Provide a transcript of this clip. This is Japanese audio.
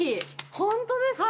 本当ですか。